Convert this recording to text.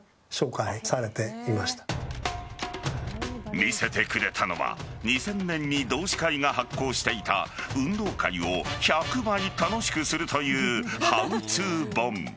見せてくれたのは２０００年に同志会が発行していた運動会を１００倍楽しくするというハウツー本。